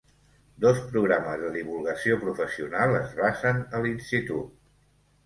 Dos programes de divulgació professional es basen a l'institut.